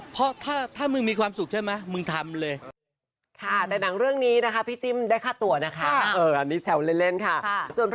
เพราะถ้ามึงมีความสุขใช่ไหมมึงทำเลย